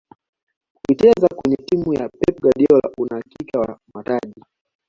ukicheza kwenye timu ya pep guardiola una uhakika wa mataji